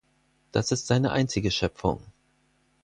Das ist seine einzige Schöpfung.